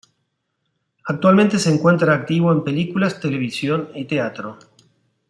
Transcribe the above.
Actualmente se encuentra activo en películas, televisión y teatro.